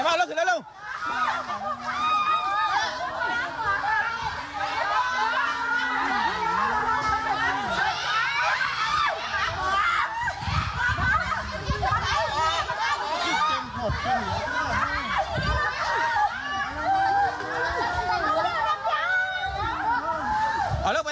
สงสัยดินักฐานดังนั้นสามารถช่วยพวกเข้าอีกรอด